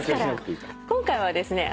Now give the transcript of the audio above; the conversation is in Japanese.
今回はですね